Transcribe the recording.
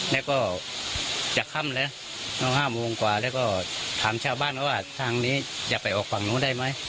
แล้วก็จากค่ำแล้ว๕โมงกว่าแล้วก็ถามชาวบ้านว่าทางนี้จะไปออกฝั่งนู้นได้ไหม